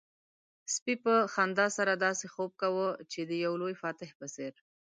سپي په خندا سره داسې خوب کاوه چې د يو لوی فاتح په څېر.